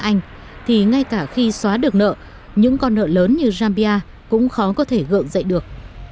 anh thì ngay cả khi xóa được nợ những con nợ lớn như zambia cũng khó có thể gượng dậy được